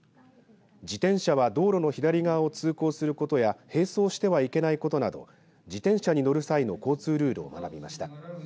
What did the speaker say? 自転車は道路の左側を通行することや併走してはいけないことなど自転車に乗る際の交通ルールを学びました。